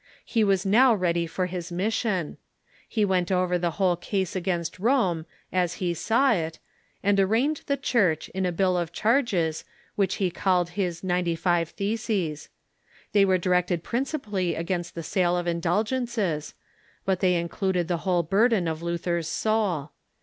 He was now ready for his mission. He went over the whole case against Rome, as he saw it, and THE REFORMATION IN GERMANY 219 arraigned the Church in a bill of charges Avhich he called his Ninety live Theses. They were directed principally against the sale of indulgences, but they included the whole burden of Luther's soul.